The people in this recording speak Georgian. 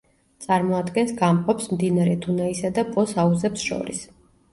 წარმოადგენს გამყოფს მდინარე დუნაისა და პოს აუზებს შორის.